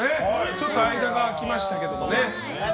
ちょっと間が空きましたけどね。